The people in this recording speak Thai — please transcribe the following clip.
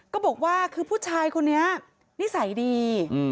ก็บอกว่าคือผู้ชายคนนี้นิสัยดี